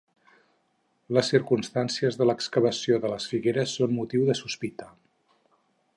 Les circumstàncies de l'excavació de les figures són motiu de sospita.